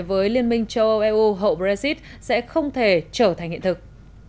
với liên minh châu âu eu hậu brexit sẽ không thể trở thành hiện thực